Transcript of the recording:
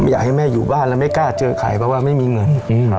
อยากให้แม่อยู่บ้านแล้วไม่กล้าเจอใครเพราะว่าไม่มีเงิน